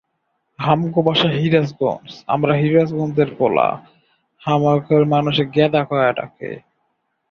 এছাড়া তিনি একবার করে ব্রিটিশ একাডেমি টেলিভিশন পুরস্কার, ব্রিটিশ ইন্ডিপেন্ডেন্ট ফিল্ম পুরস্কার ও টনি পুরস্কারের মনোনয়ন লাভ করেন।